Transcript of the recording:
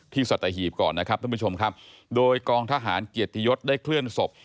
สัตหีบก่อนนะครับท่านผู้ชมครับโดยกองทหารเกียรติยศได้เคลื่อนศพ